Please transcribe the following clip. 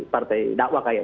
karena di peradik peradik itu